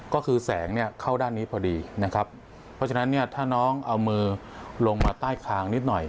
ก็คือแสงเนี่ยเข้าด้านนี้พอดีนะครับเพราะฉะนั้นเนี่ยถ้าน้องเอามือลงมาใต้คางนิดหน่อย